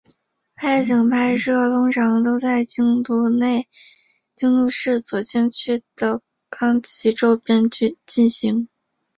外景拍摄通常都在京都市左京区的冈崎周边进行。